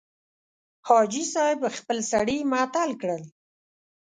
حاجي صاحب خپل سړي معطل کړل.